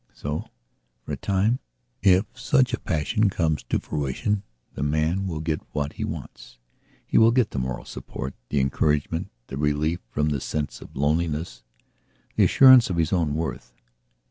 So, for a time, if such a passion come to fruition, the man will get what he wants. He will get the moral support, the encouragement, the relief from the sense of loneliness, the assurance of his own worth.